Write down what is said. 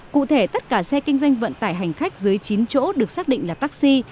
cụ thể tất cả xe kinh doanh vận tải hành khách dưới chín chỗ được xác định là taxi